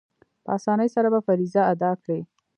په آسانۍ سره به فریضه ادا کړي.